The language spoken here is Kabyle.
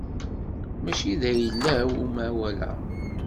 Mačči d ayla-w umawal-a.